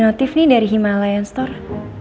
eh ada notif nih dari himalayan store